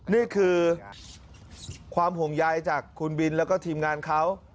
นี่คือความห่วงใยจากคุณบินแล้วก็ทีมงานเขา